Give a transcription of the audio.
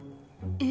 え？